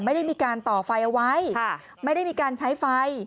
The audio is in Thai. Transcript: ไม่ได้มีการต่อไฟเอาไว้ไม่ได้มีการใช้ไฟ